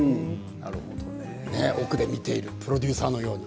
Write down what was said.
奥で見ているプロデューサーのように。